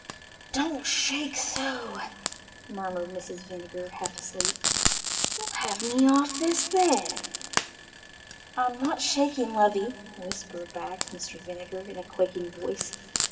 "Don't shake so!" murmured Mrs. Vinegar, half asleep. "You'll have me off the bed." "I'm not shaking, lovey," whispered back Mr. Vinegar in a quaking voice.